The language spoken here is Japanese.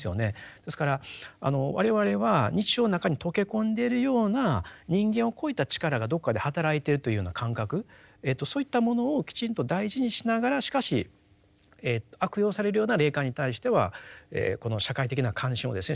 ですから我々は日常の中に溶け込んでいるような人間を超えた力がどこかで働いてるというような感覚そういったものをきちんと大事にしながらしかし悪用されるような霊感に対してはこの社会的な関心をですね